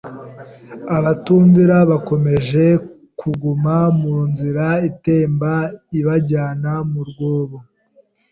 abatumvira bakomeje kuguma mu nzira itemba ibajyana mu rwobo.